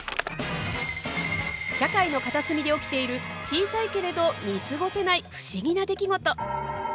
社会の片隅で起きている小さいけれど見過ごせない不思議な出来事。